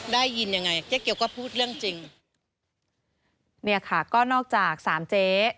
ได้ยินยังไงเจ๊เกียวก็พูดเรื่องจริงเนี่ยค่ะก็นอกจากสามเจ๊